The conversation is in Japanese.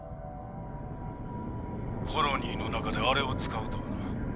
コロニーの中であれを使うとはな。